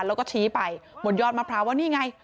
แล้วก็ชี้ไปบนยอดมะพร้าวว่านี่ไง